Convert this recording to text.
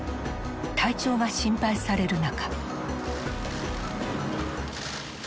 体調が心配される中。